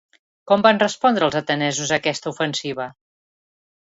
Com van respondre els atenesos a aquesta ofensiva?